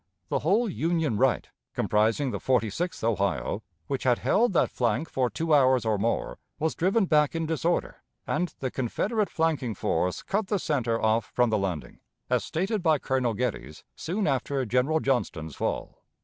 the whole Union right, comprising the Forty sixth Ohio, which had held that flank two hours or more, was driven back in disorder, and the Confederate flanking force cut the center off from the landing, as stated by Colonel Geddes, soon after General Johnston's fall."